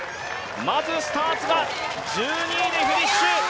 まずスターツが１２位でフィニッシュ。